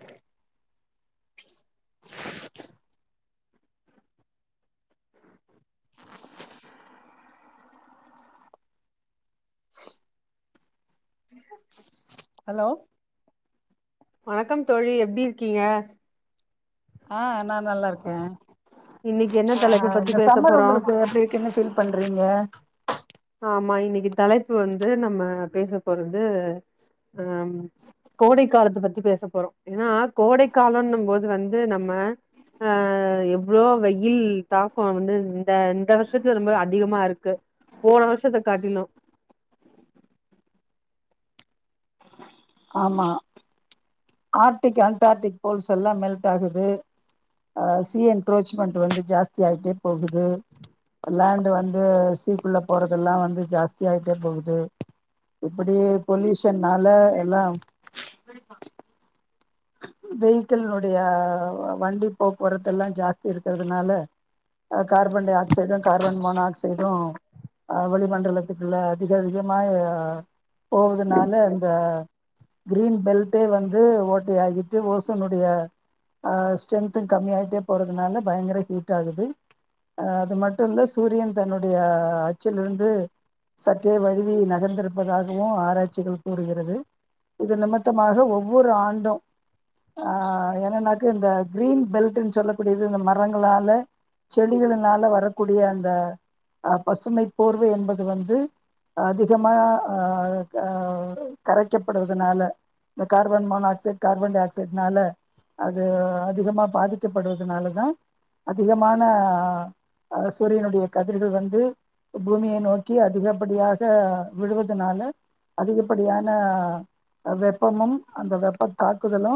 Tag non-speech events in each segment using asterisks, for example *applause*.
ஹ. ஸ்ஸ். ஹலோ வணக்கம் தோழி எப்டி இருக்கீங்க ஆ நா நல்லா இருக்கே இன்னைக்கு என்ன அ தலைப்பு ஹா பத்தி இந்த பேச சம்மர் போறோ உங்களுக்கு எப்டிருக்குனு ஃபீல் பண்றீங்க ஆமா இன்னைக்கு தலைப்பு வந்து நம்ம பேச போறது அ கோடை காலத்த பத்தி பேச போறோ ஏன்னா கோடை காலன்னும்போது வந்து நம்ம ஆ எவ்ளோ வெயில் தாக்கோ வந்து இந்த இந்த வருஷத்துல ரொம்பவே அதிகமா இருக்கு போன வருஷத்த காட்டிலு ஆமா ஆர்க்டிக் அன்டார்டிக் போல்ஸ் எல்லா மெல்ட் ஆகுது ஆ சீ என்ட்ரோச்மெண்ட் வந்து ஜாஸ்தி ஆகிட்டே போகுது லேண்ட் வந்து சீக்குள்ள போறதெல்லா வந்து ஜாஸ்தி ஆகிட்டே போகுது இப்படியே பொல்யூஷன்னால ல்லா வெயிக்கிள்னுடைய வண்டி போக்குவரத்து எல்லா ஜாஸ்தி இருக்கிறதுனால carbon dioxide carbon monoxide அ வளிமண்டலத்துக்குள்ள அதிகஅதிகமா போவதுனால அந்த கிரீன் பெல்ட்டே வந்து ஓட் இப்டி ஆகிட்டு ஓசனுடைய ஸ்ட்ரென்து கம்மி ஆகிட்டே போறதுனால பயங்கர ஹீட் ஆகுது அது மட்டு இல்ல சூரியன் தன்னுடைய அச்சிலிருந்து சற்றே வழுவி நகர்ந்திருப்பதாகவு ஆராய்ச்சிகள் கூறுகிறது இது நிமித்தமாக ஒவ்வொரு ஆண்டு ஆ என்னன்னாக்க இந்த கிரீன் பெல்ட்ன்னு சொல்லக்கூடியது இந்த மரங்களால செடிகளினால வரக்கூடிய அந்த அ பசுமை போர்வை என்பது வந்து அதிகமா அ அ கரைக்கப்படுவதுனால இந்த கார்பன் மோனாக்சைடு கார்பன் டை ஆக்சைடுனால அது அதிகமா பாதிக்கப்படுவதுனால தா அதிகமான அ சூரியனுடைய கதிர்கள் வந்து பூமிய நோக்கி அதிகப்படியாக விழுவதுனால அதிகப்படியான வெப்பமும் அந்த வெப்ப. தாக்குதலு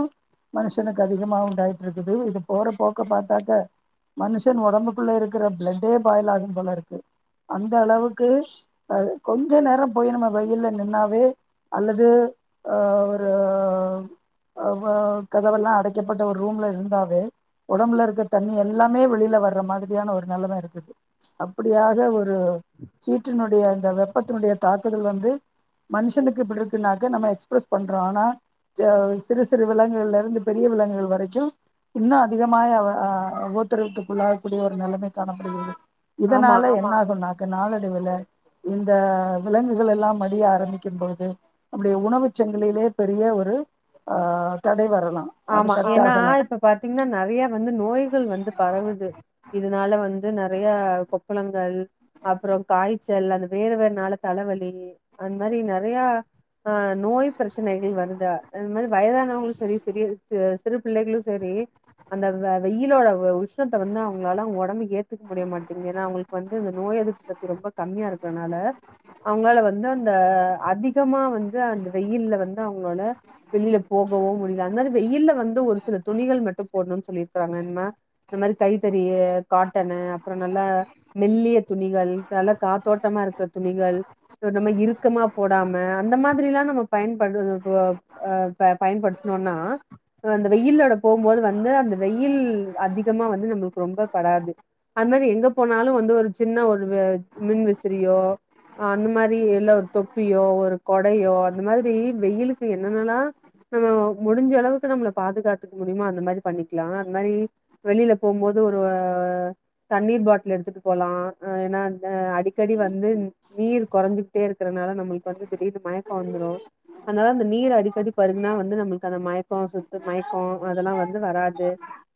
மனுஷனுக்கு அதிகமா உண்டாயிட்டு இருக்குது இது போற போக்க பாத்தாக்க மனுஷன் ஓடம்புக்குள்ள இருக்குற பிளட்டே பாயில் ஆகும் போல இருக்கு அந்த அளவுக்கு அ கொஞ்ச நேரம் போய் நம்ம வெயில நின்னாவே அல்லது அ ஒரு.. கதவெல்லா அடைக்கப்பட்ட ஒரு ரூம்ல இருந்தாவே ஒடம்புல இருக்க தண்ணி எல்லாமே வெளியில வர்ற மாரியான ஒரு நெலம இருக்குது அப்டியாக ஒரு கீட்டனுடைய வெப்பத்தினுடைய தாக்குதல் வந்து மனுஷனுக்குப்டி இருக்கு நாக்க நம்ம எக்ஸ்பிரஸ் பண்றோ ஆனா சிறு சிறு விலங்குகள்ல இருந்து பெரிய விலங்குகள் வரைக்கு இன்னு அதிகமாக அ ஒத்துறவுத்துக்குள்ளாகக்கூடிய ஒரு நெலம காணப்படுகிறது ஆமா இதனால என்னாகும்னா நாளடைவுல இந்த விலங்குகள் எல்லாம் மடிய ஆரம்பிக்கும்போது அப்டி உணவுச்சங்கிலிலே பெரிய ஒரு ஆ தடை வர ஆமா ஏன்னா இப்ப பாத்தீங்னா நெறய வந்து நோய்கள் வந்து பரவுது இதனால வந்து நெறய கொப்பளங்கள் அப்றோ காய்ச்சல் அந்த வேர்வனால தலவலி அந்த மாரி நெறயா ஆ நோய் பிரச்சனைகள் வருதா அது மாரி வயதானவும் சரி சிறி ச சிறு பிள்ளைகளு சரி அந்த வெயிலோட உஷ்ணத்த வந்து அவுங்களால அவுங்க ஒடம்பு ஏத்துக்க முடிய மாட்டேங்குது ஏன்னா அவுங்களுக்கு வந்து அந்த நோய் எதிர்ப்பு சக்தி ரொம்ப கம்மியா இருக்றனால அவுங்களால வந்து அந்த அதிகமா வந்து அந்த வெயில்ல வந்து அவுங்களோட வெளில போகவோ முடிய ஜன்னல் வெயில்ல வந்து ஒரு சில துணிகள் மட்டும் போடணும்னு சொல்லிருக்கறாங்க நம்ம இந்த மாரி கைத்தறி காட்டனு அப்றோ நல்லா மெல்லிய துணிகள் நல்ல காத்தோட்டமா இருக்ற துணிகள் நம்ம இறுக்கமா போடாம அந்த மாதிரி எல்லா நம்ம பயன்படு பயன்படுத்தணும்னா அந்த வெயில்லோட போகும்போது வந்து அந்த வெயில் அதிகமா வந்து நம்மளுக்கு ரொம்ப படாது அந்த மாதிரி எங்க போனாலு வந்து ஒரு சின்ன ஒரு மின் விசிறியோ் அந்த மாரி இல்ல ஒரு தொப்பியோ ஒரு கொடையோ அந்த மாரி வெயிலுக்கு என்னன்னல்லா நம்ம முடிஞ்ச அளவுக்கு நம்மள பாதுகாத்துக்க முடியுமோ அந்த மாரி பண்ணிக்கலா அந்த மாரி வெளியில போகும்போது ஒரு தண்ணீர் பாட்டில் எடுத்துட்டு போகலா ஏன்னா அ அடிக்கடி வந்து நீர் கொறஞ்சுகிட்டே இருக்கறனால நம்மளுக்கு வந்து திடீர்னு மயக்க வந்துரு அதனால அந்த நீர் அடிக்கடி பருகுனா வந்து நம்மளுக்கு அந்த சுத்து மயக்கோ அதெல்லா வந்து வராது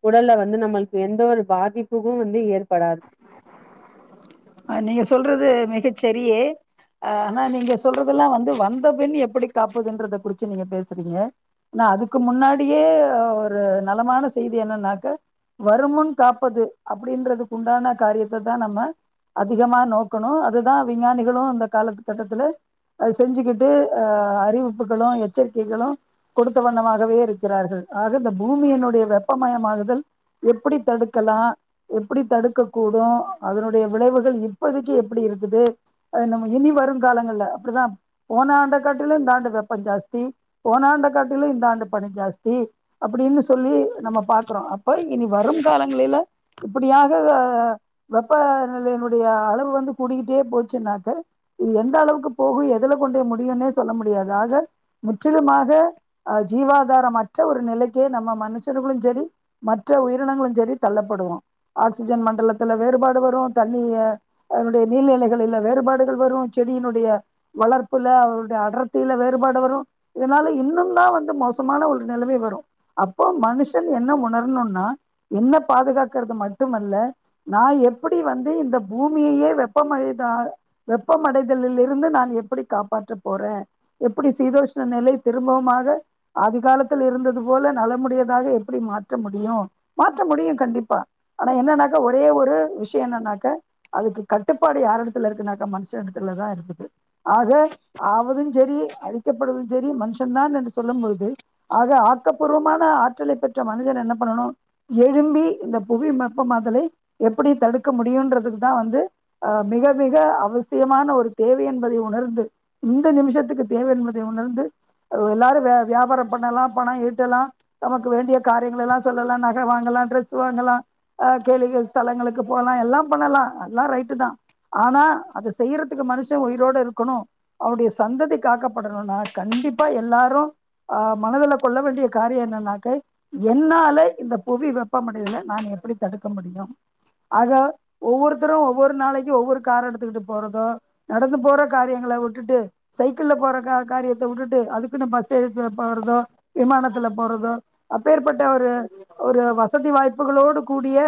உடல்ல வந்து நம்மளுக்கு எந்த ஒரு பாதிப்புக்கும் வந்து ஏற்படாது அ நீங்க சொல்றது மிகச்சரியே அ ஆனா நீங்க சொல்றதெல்லா வந்து வந்த பின் எப்டி காப்பதுன்றத குறிச்சு நீங்க பேசுறீங்க ஆனா அதுக்கு முன்னாடியே ஒரு நலமான செய்தி என்னன்னாக்க வருமுன் காப்பது அப்டின்றதுக்கு உண்டான காரியத்த தா நம்ம அதிகமா நோக்கணு அதுதா விஞ்ஞானிகளு இந்த காலத்து கட்டத்துல செஞ்சுக்கிட்டு அ அறிவிப்புகளு எச்சரிக்கைகளு கொடுத்த வண்ணமாகவே இருக்குறார்கள் ஆக இந்த பூமியினுடைய வெப்பமயமாகுதல் எப்டி தடுக்கலா எப்டி தடுக்க கூடு அதனுடைய விளைவுகள் இப்பதைக்கு எப்டி இருக்குது இனி வருங்காலங்கள அப்டிதா போன ஆண்டு காட்டிலு இந்த ஆண்டு வெப்ப ஜாஸ்தி போன ஆண்ட காட்டிலு இந்தாண்டு பனி ஜாஸ்தி அப்டின்னு சொல்லி நாம பாக்குறோ அப்ப இனி வருங் காலங்கள இப்டியாக வெப்பநிலைய அளவு வந்து கூடிக்கிட்டே போச்சுன்னாக்க எந்த அளவுக்கு போகு எதுல கொண்டு போய் முடியுனு சொல்ல முடியாது ஆக முற்றிலுமாக ஜீவாதாரமற்ற ஒரு நெலைக்கு நம்ம மனுஷர்களும் சரி மற்ற உயிரினங்களும் சரி தள்ளப்படுவோ ஆக்சிஜன் மண்டலத்தில வேறுபாடு வரு ட நீர்நிலைகளில வேறுபாடுகள் வரும் செடியினுடைய வளர்ப்ல அவருடைய அடர்த்தியில வேறுபாடு வரும் இதனால இன்னும் தா வந்து மோசமான ஒரு நெலமை வரு அப்போ மனுஷன் என்ன உணரணும்னா என்ன பாதுகாக்கிறது மட்டுமல்ல நா எப்டி வந்து இந்த பூமியையே வெப்படை வெப்பமடைதலில் இருந்து நாம் எப்டி காப்பாற்ற போறேறோ எப்டி சதோஷ்ண நிலை திரும்பமாக ஆதி காலத்தில் இருந்தது போல நலமுடயதாக எப்டி மாற்ற முடியு மாற்ற முடியு கண்டிப்பா ஆனா என்னாக்க ஒரே ஒரு விஷய என்ன அதுக்கு கட்டுப்பாடு யார் எடத்ல இருக்குனாக்க மனுஸ எடத்ல தா இருக்குது ஆக ஆவதும் சரி அழிக்கப்படுவது சரி மனுஷன் தான் என்று சொல்லும்போது ஆக ஆக்கப்பூர்வமான ஆற்றலை பெற்ற மனிதன் என்ன பன்னனு எழும்பி இந்த புவி வெப்பமாதலை எப்டி தடுக்க முடிய தூண்றதுக்கு தா வந்து மிக மிக அவசியமான ஒரு தேவை என்பதை உணர்ந்து இந்த நிமிஷத்துக்கு தேவை என்பதை உணர்ந்து எல்லாரு வியாபார பண்ணலா பண ஈட்டலா நமக்கு வேண்டிய காரியங்களா எல்லா சொல்லலாம் நக வாங்கலா டிரெஸ் வாங்கலா கோயில் ஸதலங்களுக்கு போகலா எல்லாம் எல்லா ரைட்டு தா ஆனா அத செய்யறதுக்கு மனுஷன் உயிரோட இருக்கணு அவருடைய சந்ததி காக்கப்படணும்னா கண்டிப்பா எல்லாரும் ஆ மனதுல கொள்ள வேண்டிய காரிய என்னன்னாக்க என்னால இந்த புவி வெப்பமடைதல நான் எப்டி தடுக்க முடியு ஆக ஒவ்வொருத்தரு ஒவ்வொரு நாளைக்கு ஒவ்வொரு கார் எடுத்துக்கிட்டு போறதோ நடந்து போற காரியங்கள விட்டுட்டு சைக்கிள போற காரியத்த விட்டுட்டு அதுக்குன்னு பஸ் ஏறி போறதோ விமானத்ல போறதோ அப்பேற்பட்ட ஒரு ஒரு வசதி வாய்ப்புகளோடு கூடிய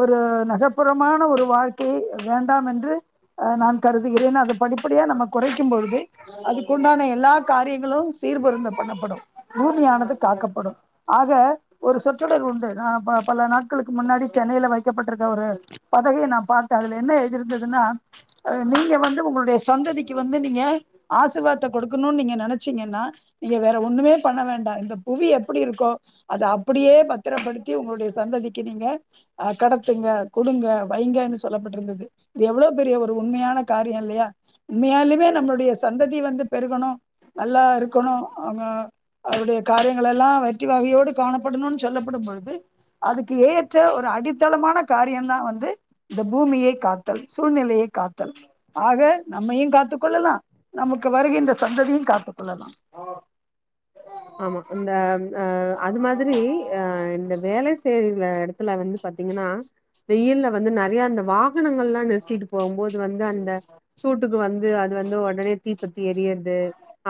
ஒரு நகர்ப்புறமான ஒரு வாழ்க்கையை வேண்டாம் என்று நான் கருதுகிறேன் அது படிப்படியா நம்ம குறைக்கும்பொழுது அதுக்குண்டான எல்லா காரியங்களும் சீரருந்த பண்ணப்படும் பூமியானது காக்கப்படு ஆக ஒரு சொற்றொடர் உண்டு பல நாட்களுக்கு முன்னாடி சென்னையில வைக்கப்பட்டிருக்க ஒரு பதவு நா பாத்தே அதுல என்ன எழுதி இருந்ததுனா நீங்க வந்து உங்களுடைய சந்ததிக்கு வந்து நீங்க ஆசிர்வாத கொடுக்கணும்னு நீங்க நெனச்சீங்கன்னா நீங்க வேற ஒண்ணுமே பண்ண வேண்டா இந்த புவி எப்டி இருக்கோ அத அப்படியே பத்திரப்படுத்தி உங்களுடைய சந்ததிக்கு நீங்க அ கடத்துங்க குடுங்க வைங்க என்று சொல்லப்பட்டிருந்தது இது எவ்ளோ பெரிய ஒரு உண்மையான காரியோ இல்லையா உண்மையாலுமே நம்மளுடைய சந்ததி வந்து பெருகணு நல்லா இருக்கணு அவருடைய காரியங்கள் எல்லா வெற்றி வாகையோடு காணப்படணும்னு சொல்லப்படும்பழுது அதுக்கு ஏற்ற ஒரு அடித்தளமான காரியந் தா வந்து இந்த பூமியை காத்தல் சூழ்நிலையை காத்தல் ஆக நம்மையு காத்துக் கொள்ளலாம் நமக்கு வருகின்ற சந்ததியையு காத்துக் கொள்ளலாம் ஆமா இந்த அ அது மாதிரி அ இந்த வேலை செய்தளை எடுத்து வந்து பாத்தீங்கனா வெயில்ல வந்து நெறய அந்த வாக்கு வாகனங்கள் எல்லா நிறுத்திட்டு போகும்போது வந்து அந்த சூட்டுக்கு வந்து அது வந்து உடனே தீப்பத்தி எரிய்ரது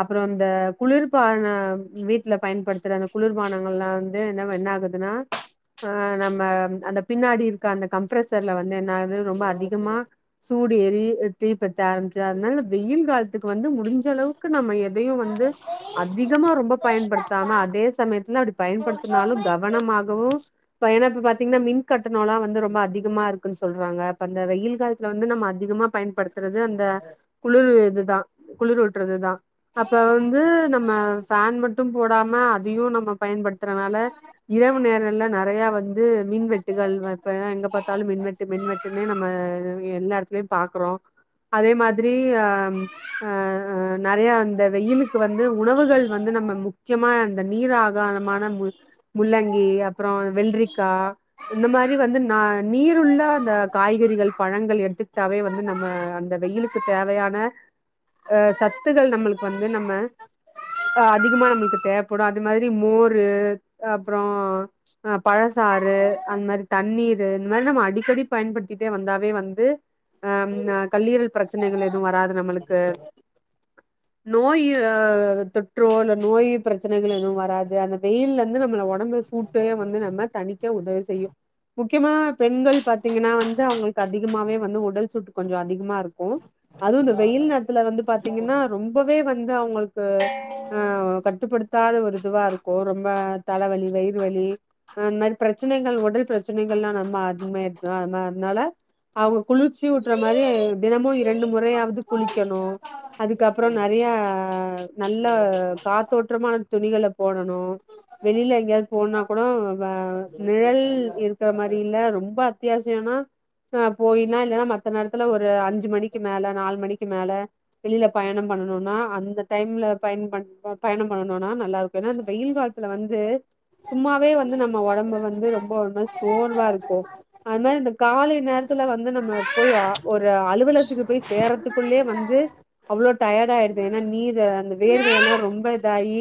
அப்புறோ இந்த குளுர்பானம் வீட்ல பயன்படுத்துற அந்த குளுர்பானங்கள் எல்லா வந்து என்னவா என்ன ஆகுதுன்னா அ நம்ம அந்த பின்னாடி இருக்க அந்த கம்ப்ரசர்ல வந்து என் ரொம்ப அதிகமா சூழ் தெரியு எ தீப் இந்பத்த ஆரம்பிச்ச அதனால வெயில் காலத்துக்கு வந்து முடிஞ்ச அளவுக்கு நம்ம எதையு வந்து அதிகமா ரொம்ப பயன்படுத்தாம அதே சமயத்துல அப்புடி பயன்படுத்துனாலு கவனமாகவு பயண பத் தின்ன மின் கட் டு நாலா வந்து ரொம்ப அதிகமா இருக் கொஞ் சொல்றாங்க அப்ப அந்த வெயில் காலத்துல வந்து நம்ம அதிகமா பயன்படுத்துறது அந்த குளுரு இதுதா குளிரூட்டுறதுதா அப்ப வந்து நம்ம ச மட்டும் போடாம அதையு நம்ம பயன்படுத்துறனால இரவு நேரல நறைய வந்து மின்வெட்டுகள் இப்ப எங்க பாத்தாலும் மின்வெட்டு மின்வெட்டுனே நம்ம எல்லா எடத் துலயு பாக்குறோ அதே மாத் திரி அம் அ அ நறைய இந்த வெயிலுக்கு வந்து உணவுகள் வந்து நம்ம முக் கியமா அந்த நீர் ஆகாரமான மு முள்ளங்கி அப்புறோ வெள்ரிக்கா இந்த மாரி வந்து நா நீருள்ள அந்த காய்கறிகள் பழங்கள் எடுத்துக்கிட்டாவே வந்து நம்ம அந்த வெயிலுக்கு தேவையான அ சத்துக்கள் நம்மளுக்கு வந்து நம்ம அதிகமா நம்மளுக் க்கு தேவப்படு அது மாரி மோரு அப்புறோ அ பழசாறு அந்த மாரி தண்ணீரு இந்த மாரி நம்ம அடிக்கடி பயன்படுத்திட்டே வந்தாவே வந்து அ கல்லீரல் பிரச்சனைகள் எதுவு வராது நம்மளுக்கு நோய் தொற்றோ இல்ல நோய் பிரச்சனைகள் எதும் வராது அந்த வெயில்ல வந்து நம்மள ஒடம்பு சூட்டு வந்து நம்ம தனிக்க உதவி செய்யு முக்கியமா பெண்கள் பாத்தீங்கன்னா வந்து அவங்களுக்கு அதிகமாவே வந்து உடல் சூட்டு கொஞ்சோ அதிகமா இருக்கு அதுவு இந்த வெயில் நேரத்துல வந்து பாத்தீங்கன்னா ரொம்பவே வந்து அவங்களுக் ஓ ஆமாக் கட்டுப்படுத்தாத ஒரு இதுவா இருக்கு ரொம்ப தலைவலி வயிறு வலி ஆ அந்த மாரி பிரச்சனைகள் ஒடல் பிரச்சனைகள்லா நம்ம அதிகமா எடுத்தோ அதனா அதனால அவங்க குளுர்ச்சி ஊட்ற மாரி தெனமு இரண்டு முறையாவது குளிக்கணு அதுக்கப்புறோ நறையா நல்ல காத் தோற்றமான துணிகள போடணு வெளில எங்கயாவது போனா கூட வே நிழல் இருக்குற மாரில ரொம்பா வித்தியசம்னா அ போயினா இல்லன்னா மத்த நேரத்துல ஒரு அஞ்சு மணிக்கு மேல நாலு மணிக்கு மேல வெளில பயணம் பண்ணுனோம்னா அந்த டைம்ல பயன் பண்டோ பயணம் பண்ணுனோன்னா நல்லா இருக்கு ஏன்னா இந்த வெயில் காலத்துல வந்து சும்மாவே வந்து நம்ம ஒடம்பு வந்து ரொம்ப ஒரு மாரி சோர்வா இருக்கு அது மாரி இந்த காலை நேரத்துல வந்து நம்ம போய் ஒரு அலுவலகத்துக்கு போய் சேறதுக்குள்ளயே வந்து அவ்வளோ டயர்ட் ஆயிடுது ஏன்னா நீரு அந்த வேர்வை எல்லா ரொம்ப இதாயி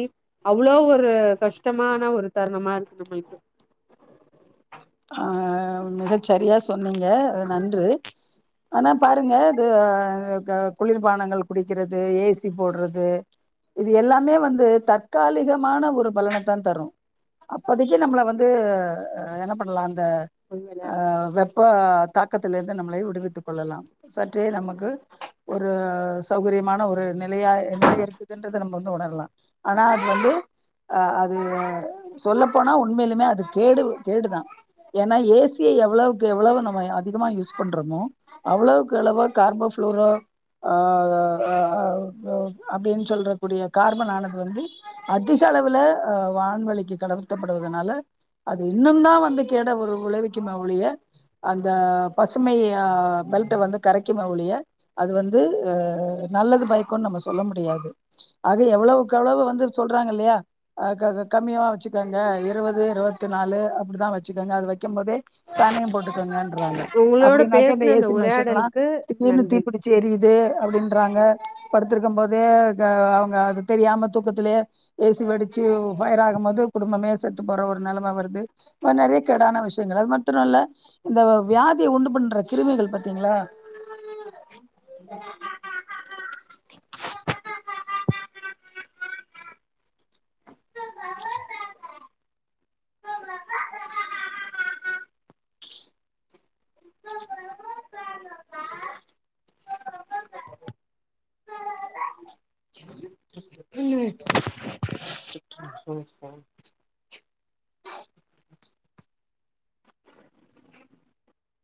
அவ்வளோ ஒரு கஷ்டமான ஒரு தருணமா இருக்கு நம்மளுக்கு ஆ மிகச்சரியா சொ சொன்னீங்க நன்று ஆனா பாருங்க இது அ க குளிர்பானங்கள் குடிக்கிறது ஏசி போடுறது இது எல்லாமே வந்து தற்காலிகம் மான ஒரு பலனத்தா தரும் அப்போதைக்கு நம்மள வந்து என்ன பண்ணலான் பொய் வெளையாடு வெப்ப தாக்கத்துலிருந்து நம்மளை விடுவித்துக் கொள்ளலாம் சற்றே நமக்கு ஒரு சௌகரியமான ஒரு நிம் இல்லையாய் நிம்மதி இருக்குதுன்றது நம்மம் இதோடெல்லா ஆனா அது வந்து அ அது சொல்ல போனா உண்மையிலுமே அது கேடு கேடுதா ஏனா ஏசி தியே எவ்ளவுக்கு எவ்ளவு நம்ம அதிகமா யூஸ் பண்றோமோ அவ்ளவுக்கு அளவு கார்போஃளோரோ *unintelligible* அப்படின்னு சொல்ற கூடிய கார்பன்னானது வந்து அதிக அளவு வான்வளிக்கு கடத்தப்படுவதனால அது இன்னும்தா வந்து கேட ஒரு உலகு க்கிம ஒழிய அந்த பசுமை பெல்ட வந்து கரைக்கும ஒழிய அது வந்து நல்லது பைக்கு நம்ம சொல்ல முடியாது ஆக எவ்வளவுக்கு எவ்ளவு வந்து சொல்றாங்க இல்லையா கம்மிய வச்சுக்கங்க இருபது இருவத்தி நாலு அப்படிதா வச்சுக்கங்க அது வைக்க போதே தனியம் போட்டுக்கங்க ப்பிட்டியாங்க உங்களோட அப்பிடின்னாக்க இந்த பேசுன ஏசி மிஷின்லா உரையாடலுக்கு திடிர்ன்னு நன்றி தீப்பிடிச்சி ஏரியுது அப்பிடின்றாங்க படுத்திருக்கு போதே அவங்க அது தெரியாம தூக்கத்திலயே ஏசி வெடிச்சி ஃபயர் ஆகும் போது குடும்பமே செத்து போற ஒரு நிலம வருது ரொம்ப நெறைய கேடான விஷயங்கள் அதுமிர திர்ரல்ல இந்த வியாதிய உண்டு பண்ற கிருமிகள் பாத்தீங்களா ம் *inaudible* *unintelligible* *unintelligible* சரி